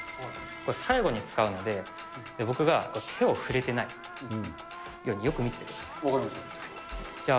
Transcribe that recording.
これ、最後に使うので、僕が手を触れてないように、よく見ててください。